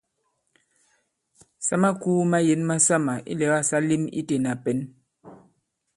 Sa makūu mayěn masamà ilɛ̀gâ sa lēm itē ìna pɛ̌n.